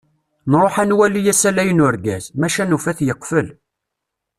Nruḥ ad nwali asalay n urgaz, maca nufa-t yeqfel.